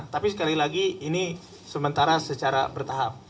tapi sekali lagi ini sementara secara bertahap